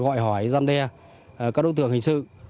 gọi hỏi giam đe các đối tượng hình sự